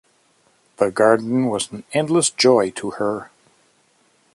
The garden was an endless joy to her.